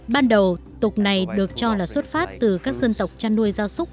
ban đầu tục này được cho là xuất phát từ các dân tộc chăn nuôi gia súc